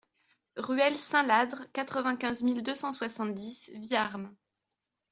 Ruelle Saint-Ladre, quatre-vingt-quinze mille deux cent soixante-dix Viarmes